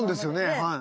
はい。